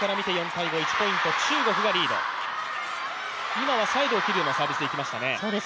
今はサイドを切るようなサービスでいきましたね。